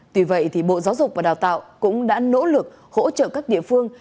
tuy vậy bộ giáo dục và đào tạo cũng đã nỗ lực hỗ trợ các địa phương